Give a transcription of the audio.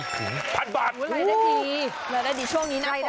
ใครได้ดีใครได้ดีช่วงนี้น่าป่นนะ